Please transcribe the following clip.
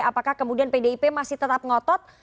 apakah kemudian pdip masih tetap ngotot